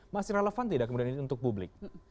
masih relevan tidak kemudian ini untuk publik